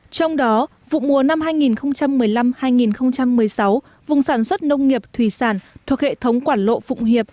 trong đó vụ mùa năm hai nghìn một mươi năm hai nghìn một mươi sáu vùng sản xuất nông nghiệp thủy sản thuộc hệ thống quản lộ phụng hiệp